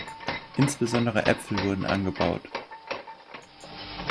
Insbesondere Äpfel wurden angebaut.